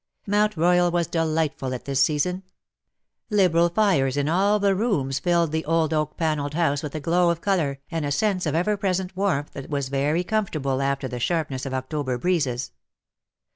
Mount Royal was delightful at this season. Liberal fires in all the rooms filled the old oak panelled house with a glow of colour, and a sense of ever present warmth that was very comfortable after the sharpness of October breezes.